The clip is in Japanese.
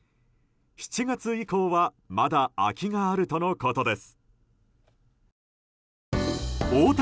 ７月以降はまだ空きがあるとのことです。